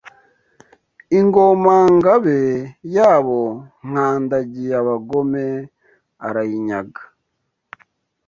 Ingomangabe yabo Nkandagiyabagome, arayinyaga